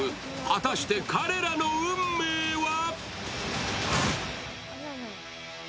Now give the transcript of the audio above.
果たして彼らの運命は？